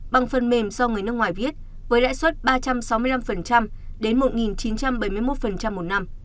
bằng phần mềm do người nước ngoài viết với lãi suất ba trăm sáu mươi năm đến một chín trăm bảy mươi một một năm